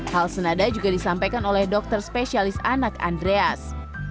hal senada juga disampaikan oleh dokter spesialis anak andreas